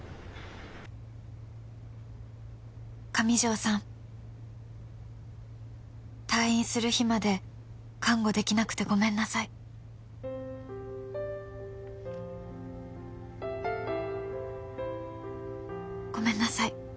「上条さん」「退院する日まで看護できなくてごめんなさい」「ごめんなさい」